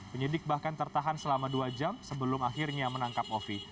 penyidik bahkan tertahan selama dua jam sebelum akhirnya menangkap ovi